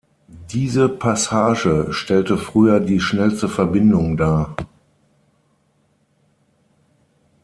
Diese Passage stellte früher die schnellste Verbindung dar.